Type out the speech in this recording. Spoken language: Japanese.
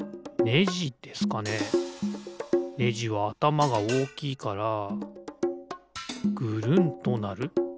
ねじはあたまがおおきいからぐるんとなる。